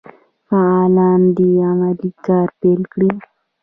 فعالان دي عملي کار پیل کړي.